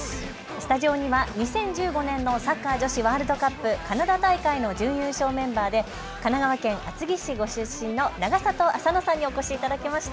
スタジオには２０１５年のサッカー女子ワールドカップ、準優勝メンバーで神奈川県厚木市ご出身の永里亜紗乃さんにお越しいただきました。